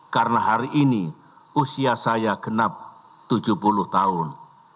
karena hari ini usia saya genap tujuh puluh tahun